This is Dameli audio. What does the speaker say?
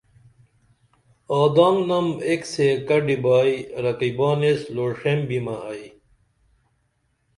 آدانگنم ایک سیکہ ڈیبائی رقیبان ایس لوݜیں بیمہ ائی